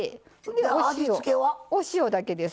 お塩だけです。